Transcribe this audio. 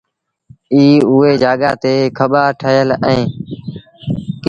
ائيٚݩ اُئي جآڳآ تي ڪٻآ ٺهيٚل اهيݩ